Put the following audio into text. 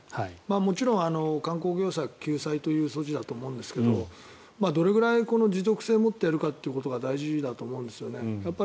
もちろん観光業界救済という措置だと思うんですがどれぐらい持続性を持っているかということが大事だと思うんですよね。